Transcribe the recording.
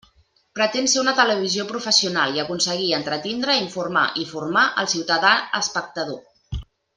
Pretén ser una televisió professional i aconseguir entretindre, informar i formar al ciutadà espectador.